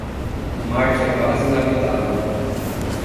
Marte é quase inabitável.